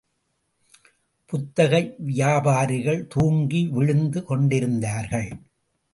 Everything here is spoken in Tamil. புத்தக வியாபாரிகள் தூங்கி விழுந்து கொண்டிருந்தார்கள்.